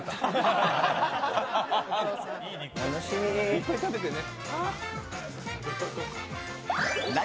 いっぱい食べてね。